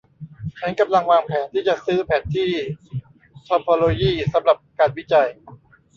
ฉันกำลังวางแผนที่จะซื้อแผนที่ทอพอโลยีสำหรับการวิจัย